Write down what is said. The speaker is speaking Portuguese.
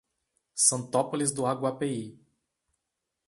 Santópolis do Aguapeí